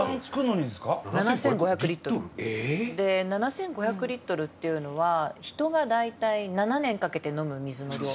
７５００リットルっていうのは人が大体７年かけて飲む水の量。